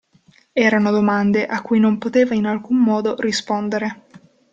Erano domande a cui non poteva in alcun modo rispondere.